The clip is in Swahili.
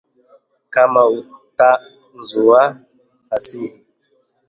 Kama utanzu wa fasihi